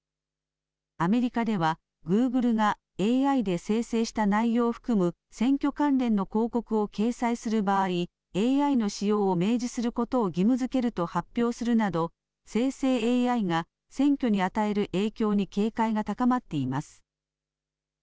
アメリカではグーグルがＡＩで生成した内容を含む選挙関連の広告を掲載する場合ＡＩの使用を明示することを義務づけると発表するなど、生成ＡＩが選挙に与える影響に警戒が高まっています。